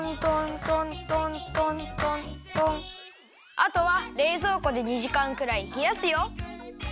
あとはれいぞうこで２じかんくらいひやすよ。